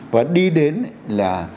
và đi đến là